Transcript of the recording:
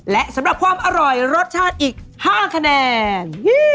และสำหรับความอร่อยรสชาติอีก๕คะแนน